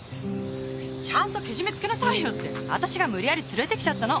ちゃんとけじめつけなさいよって私が無理やり連れて来ちゃったの。